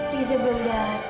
riza belum datang